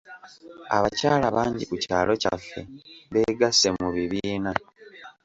Abakyala bangi ku kyalo kyaffe beegasse mu bibiina.